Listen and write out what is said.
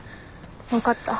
分かった。